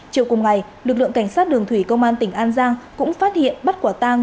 chiều cùng ngày lực lượng cảnh sát đường thủy công an tỉnh an giang cũng phát hiện bắt quả tang